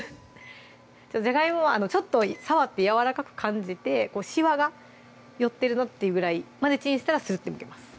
じゃがいもはちょっと触ってやわらかく感じてしわが寄ってるなってぐらいまでチンしたらスッてむけます